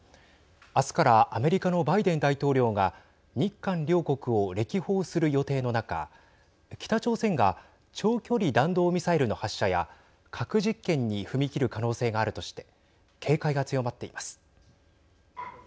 あすからアメリカのバイデン大統領が日韓両国を歴訪する予定の中北朝鮮が長距離弾道ミサイルの発射や核実験に踏み切る可能性があるとして警戒が強まっています。